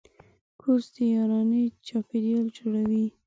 کورس د یارانې چاپېریال جوړوي.